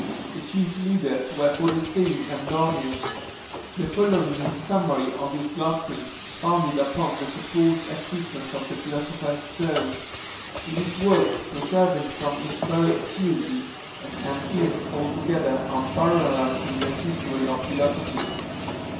The chief leaders were Bodenstein and Dorneus. The following is a summary of his doctrine, founded upon the supposed existence of the philosopher's stone; it is worth preserving from its very absurdity, and is altogether unparalleled in the history of philosophy.